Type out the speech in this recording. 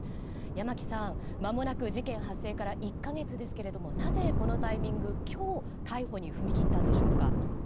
山木さん、まもなく事件発生から１か月ですけれどもなぜ、このタイミング今日逮捕に踏み切ったんでしょうか。